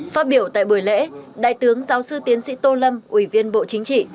phát biểu tại buổi lễ đại tướng giáo sư tiến sĩ tô lâm ủy viên bộ chính trị